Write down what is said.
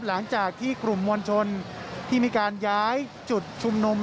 หลังจากที่กลุ่มมวลชนที่มีการย้ายจุดชุมนุม